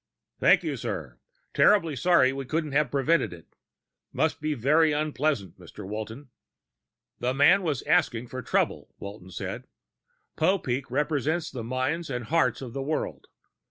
"Thank you, sir. Terribly sorry we couldn't have prevented it. Must be very unpleasant, Mr. Walton." "The man was asking for trouble," Walton said. "Popeek represents the minds and hearts of the world.